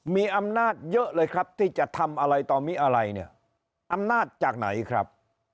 มีอำนาจเยอะเลยครับที่จะทำอะไรต่อมีอะไรเนี่ยอำนาจจากไหนครับ